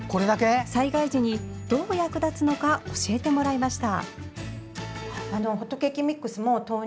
災害時にどう役立つのか教えてもらいました。